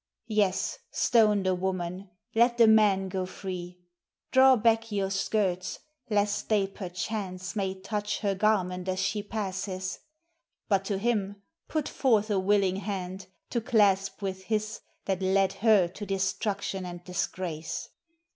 Yes, stone the woman, let the man go free! Draw back your skirts, lest they perchance may touch Her garment as she passes; but to him Put forth a willing hand to clasp with his That led her to destruction and disgrace.